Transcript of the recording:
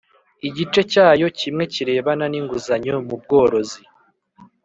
igice cyayo kimwe kirebana n'inguzanyo mu bworozi